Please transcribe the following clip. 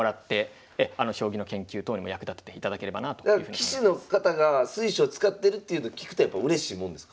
棋士の方が水匠使ってるっていうの聞くとやっぱうれしいもんですか？